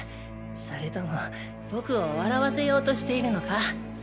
それとも僕を笑わせようとしているのか？